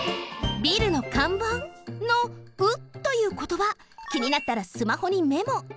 ビルのかんばんの「う」ということばきになったらスマホにメモ。